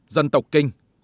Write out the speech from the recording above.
dân tộc kinh